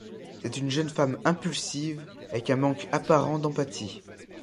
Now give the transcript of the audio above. C’est une jeune femme impulsive, avec un manque apparent d'empathie.